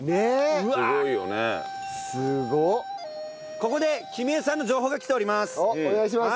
ここで君恵さんの情報が来ております。